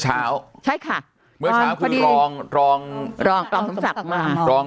เช้าใช่ค่ะเมื่อเช้าคืนรองรองศักดิ์มารอง